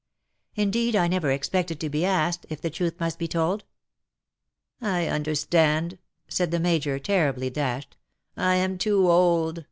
Indeed, I never expected to be asked, if the truth must be told.' '" I understand/' said the Major, terribly dashed. '^ I am too old.